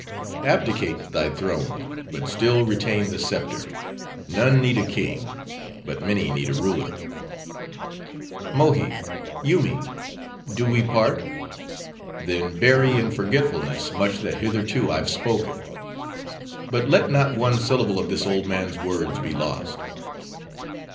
Abdicate thy throne: but still retain the scepter. None need a king; but many need a ruler. "Mohi! Yoomy! do we part? then bury in forgetfulness much that hitherto I've spoken. But let not one syllable of this old man's words be lost.